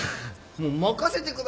もう任せてくださいよ。